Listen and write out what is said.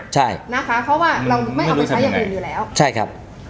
เพราะว่าเราไม่เอาไปใช้อย่างเดิมอยู่แล้ว